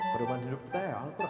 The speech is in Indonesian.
perdomaan hidup kita ya al quran